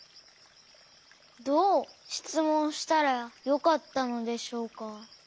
どうしつもんしたらよかったのでしょうか。